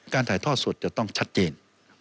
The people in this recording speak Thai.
ถ่ายทอดสดจะต้องชัดเจน